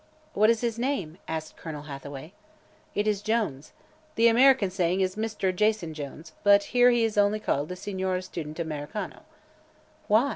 "What is his name?" asked Colonel Hathaway. "It is Jones. The American saying is Mister Jason Jones, but here he is only called the Signore Student Americano." "Why?"